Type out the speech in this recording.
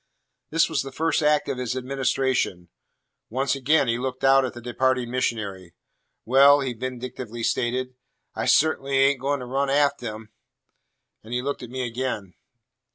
This was the first act of his administration. Once again he looked out at the departing missionary. "Well," he vindictively stated, "I cert'nly ain't goin' to run afteh him." And he looked at me again.